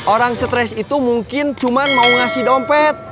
orang stres itu mungkin cuma mau ngasih dompet